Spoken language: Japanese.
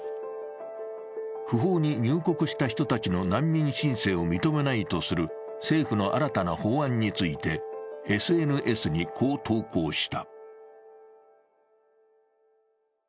不法に入国した人たちの難民申請を認めないとする政府の新たな法案についてＳＮＳにこう投稿した。